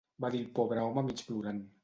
Va dir el pobre home mig plorant.